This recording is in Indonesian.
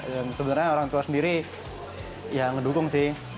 dan sebenarnya orang tua sendiri ya ngedukung sih